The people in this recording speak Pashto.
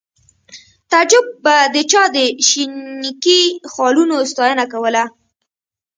تعجب به د چا د شینکي خالونو ستاینه کوله